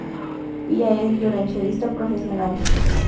Pia es violonchelista profesional.